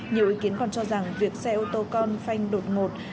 nhiều ý kiến còn cho rằng việc xe ô tô con phanh đột ngột